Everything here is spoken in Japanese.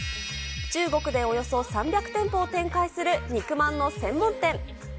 中国でおよそ３００店舗を展開する肉まんの専門店。